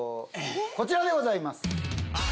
こちらでございます。